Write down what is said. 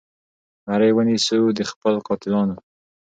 مرۍ ونیسو د خپلو قاتلانو